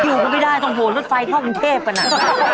อยู่กันไม่ได้ต้องโผล่รถไฟท่อกรุงเทพกัน